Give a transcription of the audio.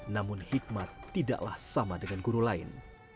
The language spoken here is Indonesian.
namun hikmat tidaklah sama dengan guru lain